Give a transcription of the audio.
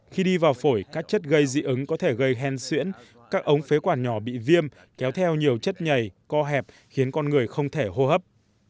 khi đi vào phổi các chất gây dị ứng có thể gây hen xuyễn các ống phế quản nhỏ bị viêm kéo theo nhiều chất nhầy co hẹp khiến con người không thể hô hấp